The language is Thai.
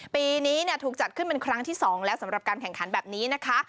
ปีนี้ถูกจัดขึ้นเป็นครั้งที่๒แล้วสำหรับการแข่งขันแบบนี้นะคะ